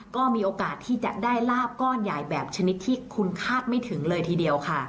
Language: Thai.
ก็มีโอกาสที่จะได้ลาบก้อนใหญ่แบบชนิดที่คุณคาดไม่ถึงเลยทีเดียวค่ะ